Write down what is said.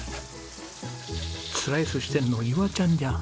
スライスしてるのいわちゃんじゃん。